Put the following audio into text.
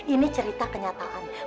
ini cerita kenyataan